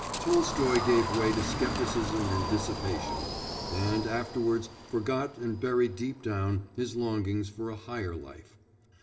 Tolstoy gave way to scepticism and dissipation, and afterwards forgot and buried deep down his longings for a higher life.